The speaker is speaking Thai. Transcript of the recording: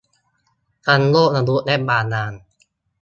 ทั้งโลกมนุษย์และบาดาล